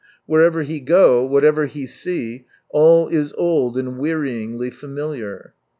Wherever he go, whatever he see, all is old and wearyingly familiar.